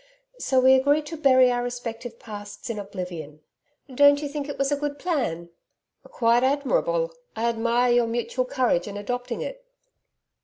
So we agreed to bury our respective pasts in oblivion. Don't you think it was a good plan?' 'Quite admirable. I admire your mutual courage in adopting it.'